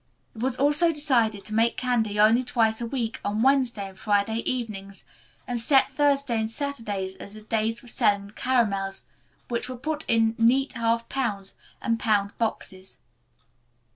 It was also decided to make candy only twice a week, on Wednesday and Friday evenings, and set Thursday and Saturday as the days for selling the caramels, which were put up in neat half pound and pound boxes.